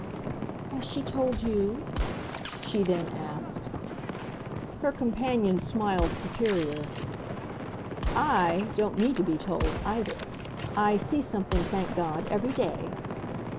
"Has she told you?" she then asked. Her companion smiled superior. "I don't need to be told either! I see something, thank God, every day."